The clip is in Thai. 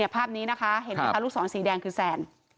ภาพนี้นะคะเห็นไหมคะลูกศรสีแดงคือแซน